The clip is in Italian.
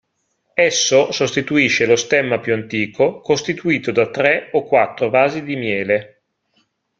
Esso sostituisce lo stemma più antico, costituito da tre o quattro vasi di miele.